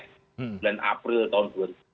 bulan april tahun dua ribu tiga belas